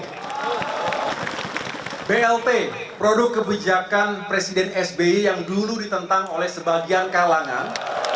blt produk kebijakan presiden sbi yang dulu ditentang oleh sebagian kalangan